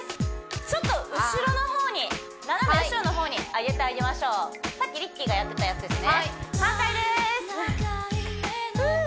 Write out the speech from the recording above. ちょっと後ろの方に斜め後ろの方に上げてあげましょうさっきＲＩＣＫＥＹがやってたやつですね